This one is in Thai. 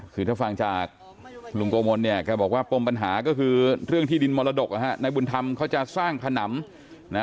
คือถ้าฟังจากลุงโกมลเนี่ยแกบอกว่าปมปัญหาก็คือเรื่องที่ดินมรดกนายบุญธรรมเขาจะสร้างขนำนะ